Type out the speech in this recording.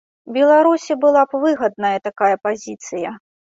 Беларусі была б выгадная такая пазіцыя.